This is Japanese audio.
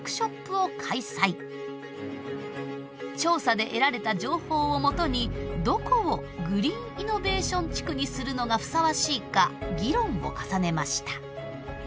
調査で得られた情報をもとにどこをグリーンイノベーション地区にするのがふさわしいか議論を重ねました。